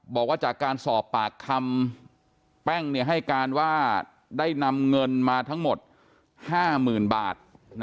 บอกว่าจากการสอบปากคำแป้งให้การว่าได้นำเงินมาทั้งหมด๕๐๐๐บาท